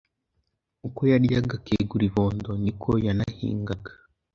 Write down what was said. Uko yaryaga akegura ibondo, ni ko yanahingaga.